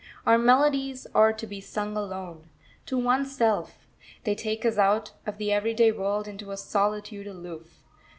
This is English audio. Our melodies are to be sung alone, to oneself; they take us out of the everyday world into a solitude aloof.